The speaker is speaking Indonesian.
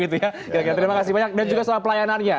terima kasih banyak dan juga soal pelayanannya